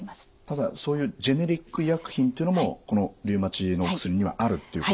ただそういうジェネリック医薬品というのもこのリウマチの薬にはあるっていうこと。